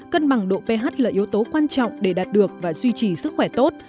cân bằng độ ph là yếu tố quan trọng để đạt được và duy trì sức khỏe tốt